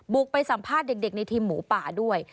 ไปสัมภาษณ์เด็กในทีมหมูป่าด้วย